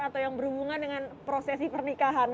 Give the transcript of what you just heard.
atau yang berhubungan dengan prosesi pernikahan